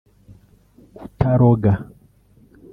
utaroga